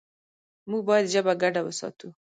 موږ باید ژبه ګډه وساتو.